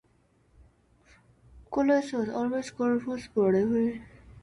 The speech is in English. Coles was always a colourful political figure.